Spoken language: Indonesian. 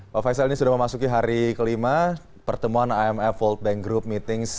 pak faisal ini sudah memasuki hari kelima pertemuan imf world bank group meetings